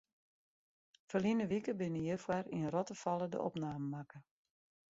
Ferline wike binne hjirfoar yn Rottefalle de opnamen makke.